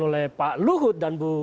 oleh pak luhut